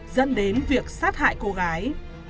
dẫn đến việc sát hại cô gái